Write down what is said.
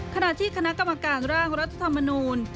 ขณะที่คณะกรรมการร่างรัฐธรรมนูล